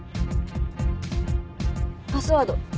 パスワード。